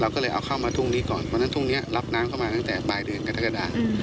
ก็เลยเอาเข้ามาทุ่งนี้ก่อนเพราะฉะนั้นทุ่งนี้รับน้ำเข้ามาตั้งแต่ปลายเดือนกรกฎา